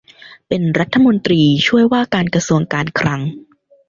เป็นรัฐมนตรีช่วยว่าการกระทรวงการคลัง